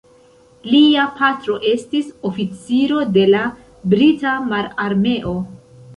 Lia patro estis oficiro de la brita mararmeo.